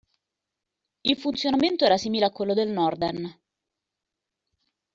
Il funzionamento era simile a quello del Norden.